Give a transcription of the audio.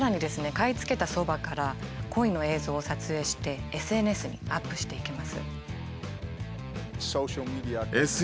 買い付けたそばからコイの映像を撮影してＳＮＳにアップしていきます。